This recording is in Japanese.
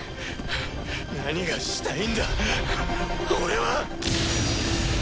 何がしたいんだ俺は。